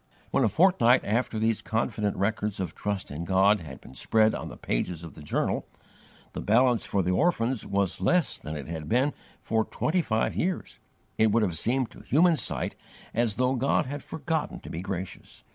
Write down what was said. When, a fortnight after these confident records of trust in God had been spread on the pages of the journal, the balance for the orphans was less than it had been for twenty five years, it would have seemed to human sight as though God had forgotten to be gracious.